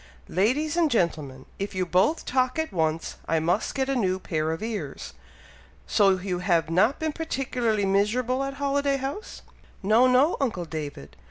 "Ladies and gentlemen! If you both talk at once, I must get a new pair of ears! So you have not been particularly miserable at Holiday House?" "No! no! uncle David!